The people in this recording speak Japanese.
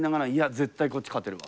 絶対こっち勝てるわって。